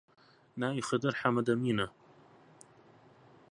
ناوی خدر حەمەدەمینە